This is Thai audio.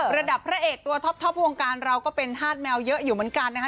ระดับพระเอกตัวท็อปวงการเราก็เป็นธาตุแมวเยอะอยู่เหมือนกันนะคะ